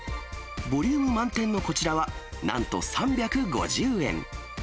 ボリューム満点のこちらはなんと３５０円。